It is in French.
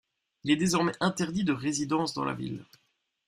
Il est désormais interdit de résidence dans la ville.